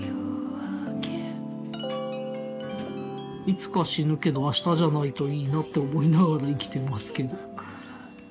いつか死ぬけど明日じゃないといいなって思いながら生きてますけど。